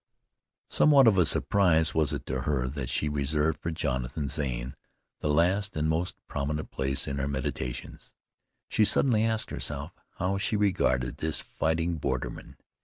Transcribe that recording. Somewhat of a surprise was it to her, that she reserved for Jonathan Zane the last and most prominent place in her meditations. She suddenly asked herself how she regarded this fighting borderman.